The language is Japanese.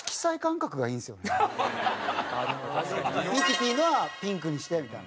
ミキティのはピンクにしてみたいな。